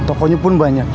tokonya pun banyak